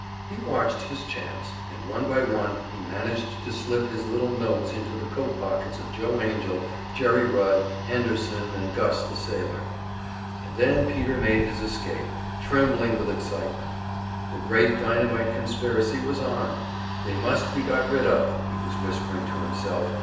He watched his chance, and one by one he managed to slip his little notes into the coat pockets of Joe Angell, Jerry Rudd, Henderson, and Gus, the sailor. And then Peter made his escape, trembling with excitement. The great dynamite conspiracy was on! "They must be got rid of!" he was whispering to himself.